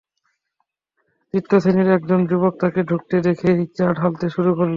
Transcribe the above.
তৃত্যশ্রেণীর এক জন যুবক তাঁকে ঢুকতে দেখেই চা ঢালতে শুরু করল।